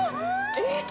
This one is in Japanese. えっ？